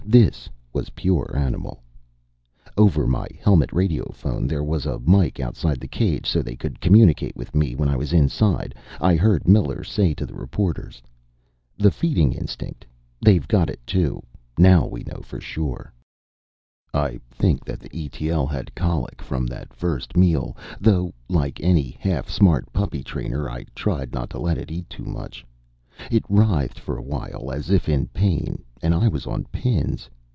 This was pure animal. Over my helmet radiophone there was a mike outside the cage, so they could communicate with me when I was inside I heard Miller say to the reporters: "The feeding instinct. They've got it, too. Now we know for sure...." I think that the E.T.L. had colic from that first meal, though, like any half smart puppy trainer, I tried not to let it eat too much. It writhed for a while, as if in pain. And I was on pins.